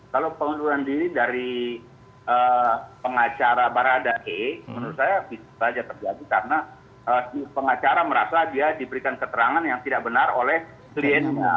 kalau pengunduran diri dari pengacara barada e menurut saya bisa saja terjadi karena si pengacara merasa dia diberikan keterangan yang tidak benar oleh kliennya